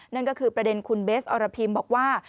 นั่นก็คือประเด็นคุณเบสอรพิมบอกว่า